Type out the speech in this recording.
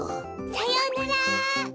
さようなら。